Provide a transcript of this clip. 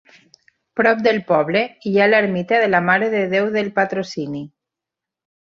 Prop del poble, hi ha l'ermita de la Mare de Déu del Patrocini.